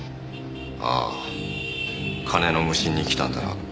ああ金の無心に来たんだなって。